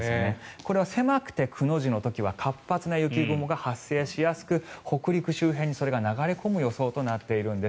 これは狭くて、くの字の時は活発な雪雲が発生しやすく北陸周辺に、それが流れ込む予想となっているんです。